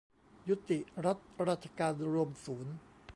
ยุติรัฐราชการรวมศูนย์